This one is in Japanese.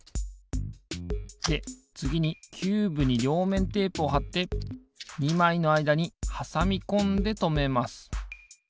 でつぎにキューブにりょうめんテープをはって２まいのあいだにはさみこんでとめます。